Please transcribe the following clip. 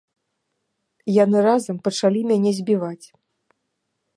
Яны разам пачалі мяне збіваць.